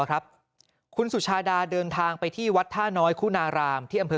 ครับคุณสุชาดาเดินทางไปที่วัดท่าน้อยคุณารามที่อำเภอ